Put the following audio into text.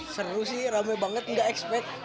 seru sih rame banget nggak expect